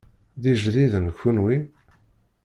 D ijdiden kunwi?